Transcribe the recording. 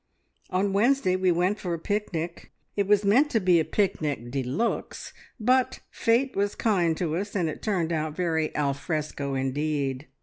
"On Wednesday we went for a picnic. It was meant to be a picnic de luxe, but fate was kind to us, and it turned out very alfresco indeed.